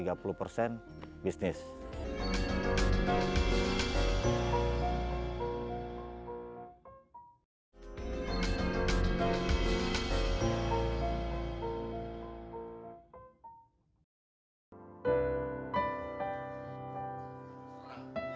jangan lupa berikan dukungan di atas laman fb kami